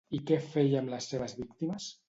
I què feia amb les seves víctimes?